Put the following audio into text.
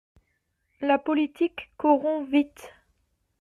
La politique corrompt vite.